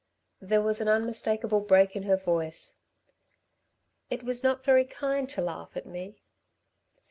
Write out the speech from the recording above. There was an unmistakable break in her voice. "It was not very kind ... to laugh at me."